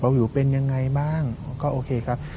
บับหยู่เป็นยังไงบ้างก็โอเคครับ